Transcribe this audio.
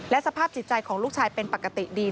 สภาพจิตใจของลูกชายเป็นปกติดี